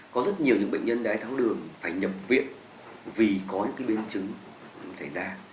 có rất nhiều những bệnh nhân đái tháo đường phải nhập viện vì có những biến chứng xảy ra